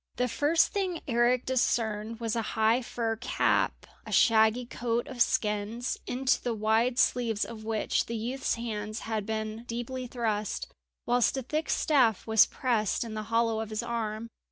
The first thing Eric discerned was a high fur cap, a shaggy coat of skins, into the wide sleeves of which the youth's hands had been deeply thrust, whilst a thick staff was pressed in the hollow of his arm.